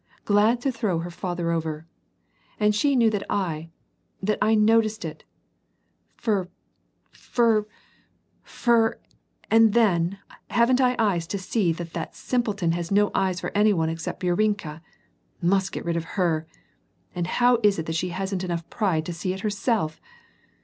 Glad to throw her father over. And she knew that I — that I noticed it. Fr !— f r !— fr ! and then, haven't I eyes to see that that simpleton has no eyes for any one except Burlenka (must get rid of her !). And how is it she hasn't enough pride to see it herself